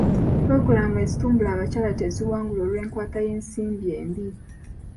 Pulogulaamu ezitumbula abakyala teziwangula olw'enkwata y'ensimbi embi.